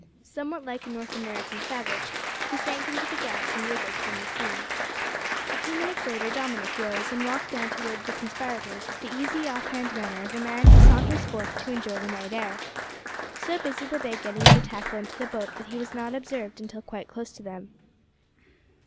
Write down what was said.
Somewhat like a North American savage, he sank into the grass and wriggled from the scene. A few moments later Dominick rose, and walked down towards the conspirators with the easy off hand manner of a man who saunters forth to enjoy the night air. So busy were they getting the tackle into the boat that he was not observed until quite close to them.